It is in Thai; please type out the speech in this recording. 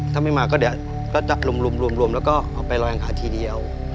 ถ้าไม่มาก็เดี๋ยวก็จะรวมแล้วก็เอาไปลอยอังขาทีเดียว